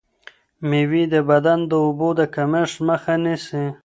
مېوې د بدن د اوبو د کمښت مخه نیسي.